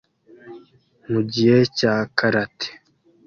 Mugihe cya karate